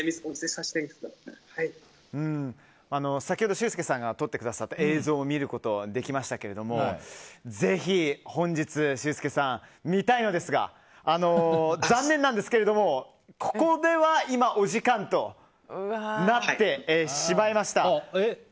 先ほどシュウスケさんが撮ってくださった映像を見ることはできましたけれどもぜひ本日、シュウスケさん見たいのですが、残念ながらここでは、今お時間となってしまいました。